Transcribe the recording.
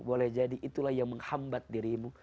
boleh jadi itulah yang menghambat dirimu